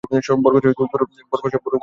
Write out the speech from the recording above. বরকত সাহেবের ভুরু কুচকে উঠল।